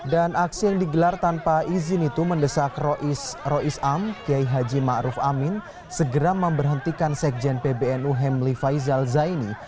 dan aksi yang digelar tanpa izin itu mendesak rois am kiai haji ma'ruf amin segera memberhentikan sekjen pbnu hemli faizal zaini